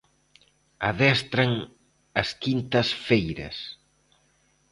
Adestran as quintas feiras.